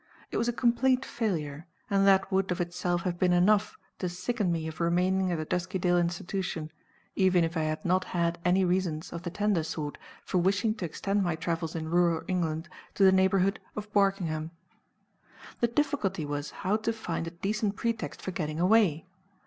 It was a complete failure, and that would, of itself, have been enough to sicken me of remaining at the Duskydale Institution, even if I had not had any reasons of the tender sort for wishing to extend my travels in rural England to the neighborhood of Barkingham. The difficulty was how to find a decent pretext for getting away.